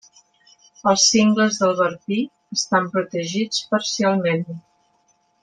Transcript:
El cingles del Bertí estan protegits parcialment.